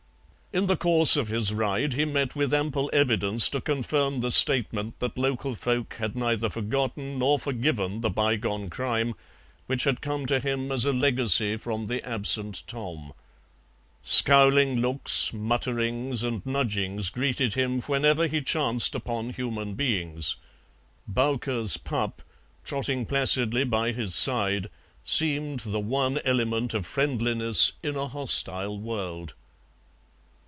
In the course of his ride he met with ample evidence to confirm the statement that local folk had neither forgotten nor forgiven the bygone crime which had come to him as a legacy from the absent Tom. Scowling looks, mutterings, and nudgings greeted him whenever he chanced upon human beings; "Bowker's pup," trotting placidly by his side, seemed the one element of friendliness in a hostile world.